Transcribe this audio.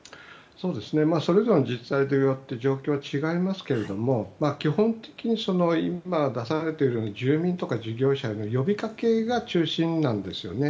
それぞれの自治体によって状況は違いますけれども基本的に出されている住民とか事業者に対する呼びかけが中心なんですよね。